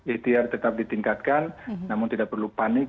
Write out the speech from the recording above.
itr tetap ditingkatkan namun tidak perlu panik